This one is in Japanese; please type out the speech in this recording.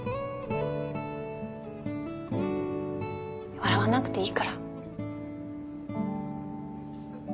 笑わなくていいから。